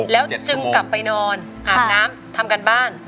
แล้วจึงกลับไปนอนอาบน้ำทำการบ้าน